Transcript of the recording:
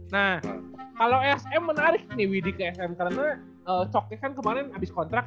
nah kalau esm menarik nih widy ke esm karena coknya kan kemarin abis kontrak ya